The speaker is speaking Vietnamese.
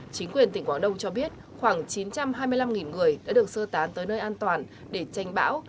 chính quyền tỉnh quảng đông cho biết khoảng chín trăm hai mươi năm người đã được sơ tán tới nơi an toàn để tranh bão